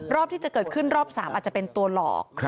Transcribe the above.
รอบที่จะเกิดขึ้นรอบ๓อาจจะเป็นตัวหลอก